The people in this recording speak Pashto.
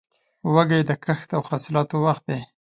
وږی د کښت او حاصلاتو وخت دی.